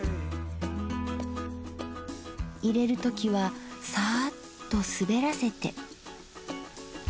入れる時はサーッと滑らせて。